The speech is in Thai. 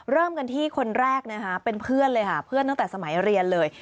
เริ่มกันที่คนแรกนะคะเป็นเพื่อนเลยค่ะเพื่อนตั้งแต่สมัยเรียนเลย